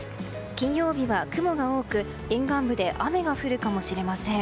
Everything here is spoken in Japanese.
金曜日は雲が多く沿岸部で雨が降るかもしれません。